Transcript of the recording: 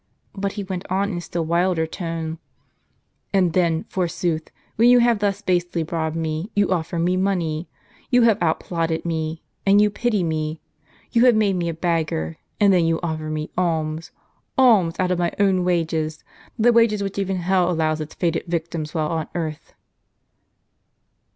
But he went on in still wilder tone :" And then, forsooth, when you have thus basely robbed me, you offer me money. You have out plotted me, and you pity me ! You have made me a beggar, and then you offer me alms, — alms out of my own wages, the wages which even hell allows its fated victims while on earth